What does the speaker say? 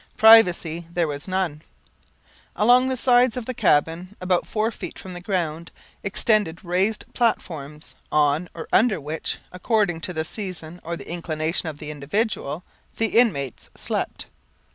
Privacy there was none. Along the sides of the cabin, about four feet from the ground, extended raised platforms, on or under which, according to the season or the inclination of the individual, the inmates slept.